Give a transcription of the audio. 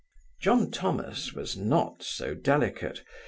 John Thomas was not so delicate.